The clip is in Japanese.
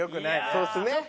そうですね。